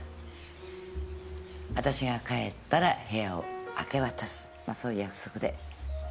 あたしが帰ったら部屋を明け渡すまぁそういう約束で。